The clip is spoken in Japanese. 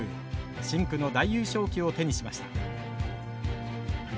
深紅の大優勝旗を手にしました。